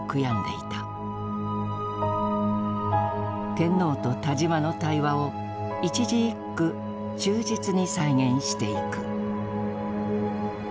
天皇と田島の対話を一字一句忠実に再現していく。